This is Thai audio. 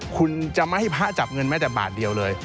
คุณจะไม่ให้พระจับเงินแม้แต่บาทเดียวเลย